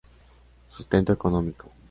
Sustento económico.